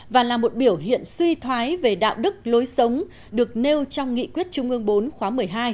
và là một biểu hiện suy thoái về đạo đức lối sống được nêu trong nghị quyết trung ương bốn khóa một mươi hai